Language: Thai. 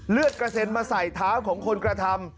เลือดกระเซ็นทมาใส่แบบของคนกระทำ